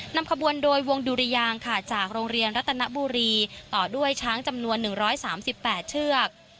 นำขบวนโดยวงดุริยางค่ะจากโรงเรียนรัตนบุรีต่อด้วยช้างจำนวน๑๓๘เชือก